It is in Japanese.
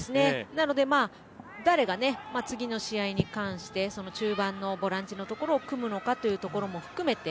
なので次の試合に関して中盤のボランチのところを組むのかというところも含めて